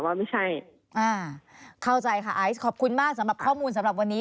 ว่าไม่ใช่อ่าเข้าใจค่ะไอซ์ขอบคุณมากสำหรับข้อมูลสำหรับวันนี้